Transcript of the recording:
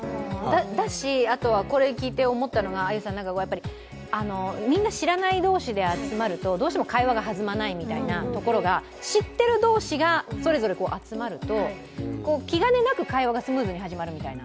だし、これ聞いて思ったのはみんな知らない同士で集まるとどうしても会話がはずまないみたいなところが知っている同士がそれぞれ集まると気兼ねなく会話がスムーズに始まるみたいな。